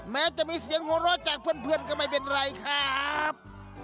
แม้จะมีเสียงหัวเราะจากเพื่อนก็ไม่เป็นไรครับ